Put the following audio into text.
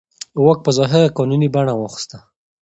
واک په ظاهره قانوني بڼه واخیسته.